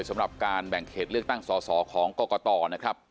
สำหรับการแบ่งเขตเลือกตั้งสอสอของกรกตนะครับ